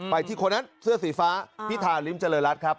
ไปที่โคนัทเสื้อสีฟ้าพิธาริมเจริรัตน์ครับ